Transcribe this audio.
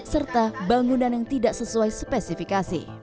serta bangunan yang tidak sesuai spesifikasi